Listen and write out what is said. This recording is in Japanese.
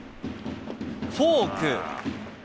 フォーク。